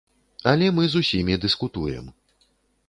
Але мы з усімі дыскутуем.